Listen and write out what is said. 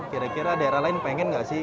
kira kira daerah lain pengen nggak sih